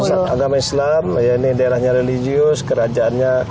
pusat agama islam ini daerahnya religius kerajaannya